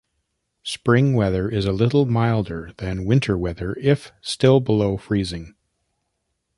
Spring weather is a little milder than winter weather if still below freezing.